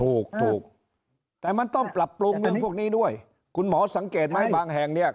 ถูกถูกแต่มันต้องปรับปรุงเรื่องพวกนี้ด้วยคุณหมอสังเกตไหมบางแห่งเนี่ย